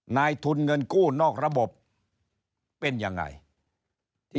นายทุนเงินกู้นอกระบบเป็นยังไงที่